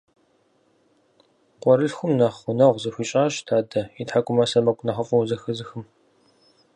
Къуэрылъхум нэхъ гъунэгъу зыхуищӀащ дадэ и тхьэкӀумэ сэмэгу нэхъыфӀу зэхэзыхым.